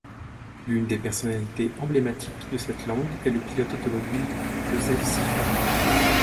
L'une des personnalités emblématiques de cette langue est le pilote automobile Joseph Siffert.